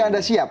tapi anda siap